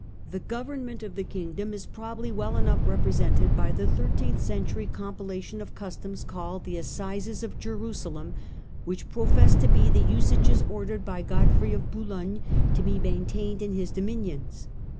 The govern ment of the kingdom is probably well enough represented by the thirteenth century compilation of customs called Assizes of the " Assizcs of Jerusalem," which professed to be the usages ordered by Godfrey of Boulogne to be main tained in his dominions.